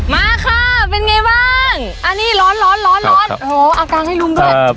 มาค่ะเป็นไงบ้างอ่านี่ร้อนร้อนร้อนครับครับโหเอากลางให้ลุงด้วยเอ่อ